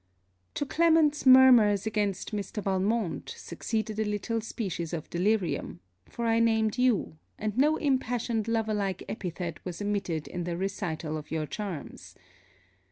To Clement's murmurs against Mr. Valmont, succeeded a little species of delirium: for I named you, and no impassioned lover like epithet was omitted in the recital of your charms.